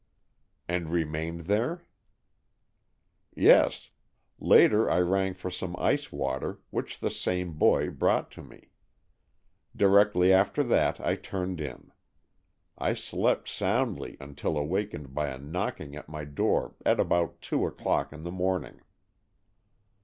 "And remained there?" "Yes; later I rang for some ice water, which the same boy brought to me. Directly after that I turned in. I slept soundly until awakened by a knocking at my door at about two o'clock in the morning."